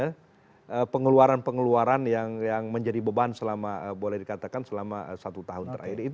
dan pengeluaran pengeluaran yang menjadi beban selama boleh dikatakan selama satu tahun terakhir ini